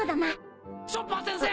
・チョッパー先生！